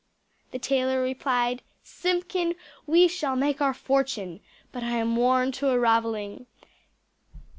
The tailor replied "Simpkin, we shall make our fortune, but I am worn to a ravelling.